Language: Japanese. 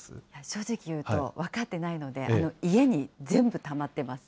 正直言うと、分かってないので、家に全部たまってます。